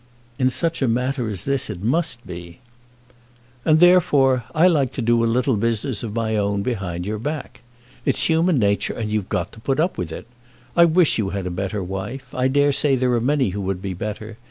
"In such a matter as this it must be." "And, therefore, I like to do a little business of my own behind your back. It's human nature, and you've got to put up with it. I wish you had a better wife. I dare say there are many who would be better.